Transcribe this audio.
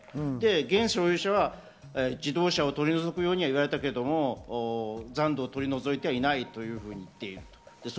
現所有者は自動車を取り除くように言われたけれども、残土を取り除いてはいないと言っている。